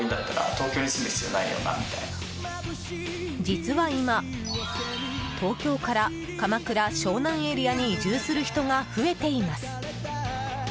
実は今、東京から鎌倉・湘南エリアに移住する人が増えています。